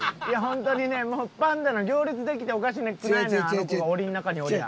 いやホントにねもうパンダの行列できておかしくないのよ